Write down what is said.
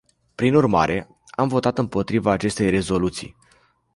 Prin urmare, am votat împotriva acestei rezoluții.